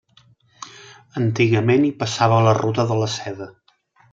Antigament, hi passava la ruta de la Seda.